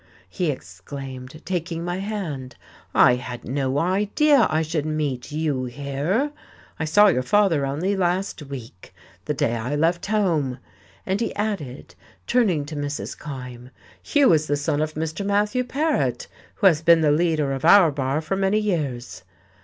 he exclaimed, taking my hand. "I had no idea I should meet you here I saw your father only last week, the day I left home." And he added, turning to Mrs. Kyme, "Hugh is the son of Mr. Matthew Paret, who has been the leader of our bar for many years."